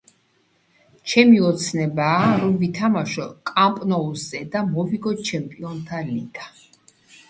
ჩემი ოცნებაა რომ ვითამაშო კამპნოუზე და მოვიგო ჩემპიონთა ლიგა.